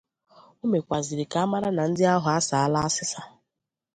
O mekwazịrị ka a mara na ndị ahụ asàálá asịsà